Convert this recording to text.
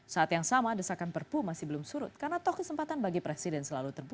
saat yang sama desakan perpu masih belum surut karena toh kesempatan bagi presiden selalu terbuka